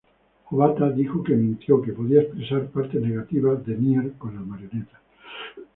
Obata dijo que sintió que podía expresar "partes negativas" de Near con las marionetas.